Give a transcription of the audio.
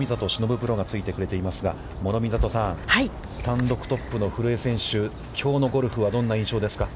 プロがついてくれていますが、諸見里さん、単独トップの古江選手、きょうのゴルフはどんな印象ですか。